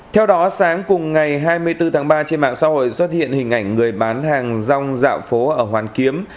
theo đó sáng cùng ngày hai mươi bốn tháng ba trên mạng xã hội xuất hiện hình ảnh người bán hàng rong dạo phố ở hoàn kiếm